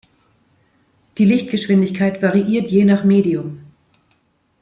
Die Lichtgeschwindigkeit variiert je nach Medium.